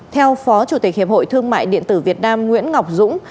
theo phó chủ tịch hiệp hội thương mại điện tử việt nam nguyễn ngọc dũng